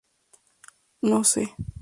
No se.